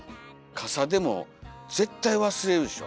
傘でも絶対忘れるでしょ。